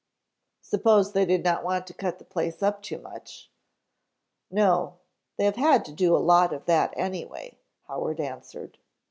"Suppose they did not want to cut the place up too much." "No. They have had to do a lot of that anyway," Howard answered.